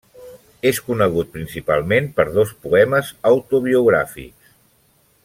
És conegut principalment per dos poemes autobiogràfics.